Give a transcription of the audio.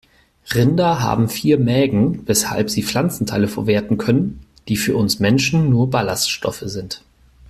Rinder haben vier Mägen, weshalb sie Pflanzenteile verwerten können, die für uns Menschen nur Ballaststoffe sind.